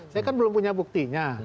saya kan belum punya buktinya